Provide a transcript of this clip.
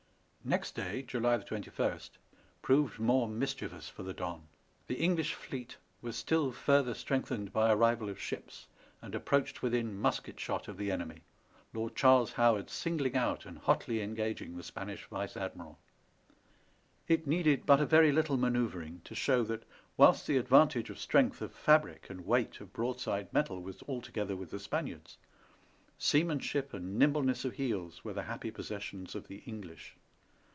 Next day, July 21, proved more mischievous for the Don. The English fleet was still further strengthened by arrival of ships, and approached within musket shot of the enemy. Lord Charles Howard singling out and hotly engaging the Spanish Vice Admiral. It needed but a very little manoeuvring to show that whilst the advantage of strength of fabric and weight of broadside metal was altogether with the Spaniards, seamanship and nimble ness of heels were the happy possessions of the English.